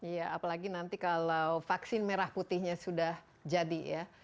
iya apalagi nanti kalau vaksin merah putihnya sudah jadi ya